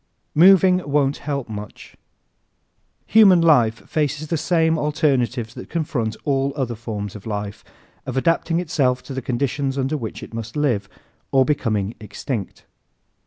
Moving Won't Help Much ¶ Human life faces the same alternatives that confront all other forms of life of adapting itself to the conditions under which it must live or becoming extinct.